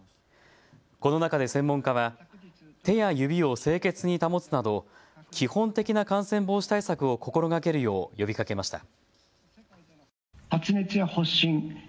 この中で専門家は手や指を清潔に保つなど基本的な感染防止対策を心がけるよう呼びかけました。